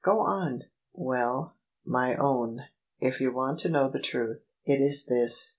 Go on." "Well, my own, if you want to know the truth. It is this.